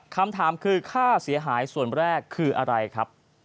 คำถามคือค่าเสียหายส่วนแรกคืออะไรครับ